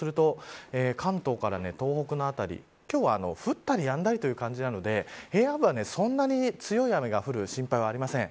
関東から東北の辺り今日は降ったりやんだりという感じなので、平野部はそんなに強い雨が降る心配はありません。